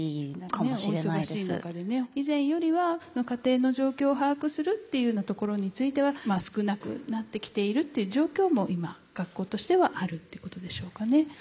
以前よりは家庭の状況を把握するっていうようなところについては少なくなってきているっていう状況も今学校としてはあるっていうことでしょうかね。